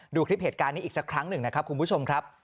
ดูคลิปเหตุการณ์นี้อีกสักครั้งหนึ่งนะครับคุณผู้ชมครับ